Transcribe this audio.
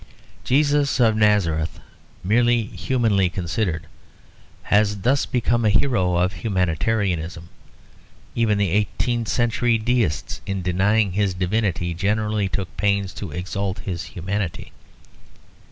Jesus of Nazareth, merely humanly considered, has thus become a hero of humanitarianism. Even the eighteenth century deists in denying his divinity generally took pains to exalt his humanity.